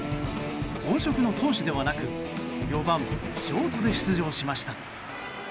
本職の投手ではなく４番ショートで出場しました。